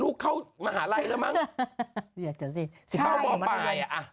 ลูกเข้ามหาลัยแล้วมั้งเดี๋ยวเจอสิสิบห้าป่าวปลายอ่ะ